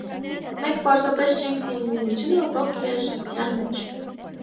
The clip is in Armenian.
Մենք պարզապես չենք սիրում նույնությունը ռոք երաժշտության մեջ։